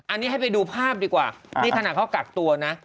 อันนี้ให้ไปดูภาพดีกว่านี่ขณะเขากักตัวนะ